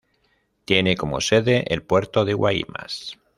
Tiene como sede el puerto de Guaymas.